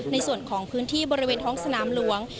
ในส่วนของพื้นที่บริเวณท้องสนามหลวง